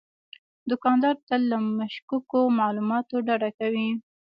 دوکاندار تل له مشکوکو معاملاتو ډډه کوي.